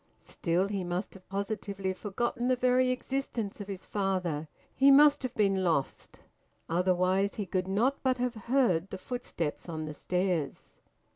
Still, he must have positively forgotten the very existence of his father; he must have been `lost,' otherwise he could not but have heard the footsteps on the stairs.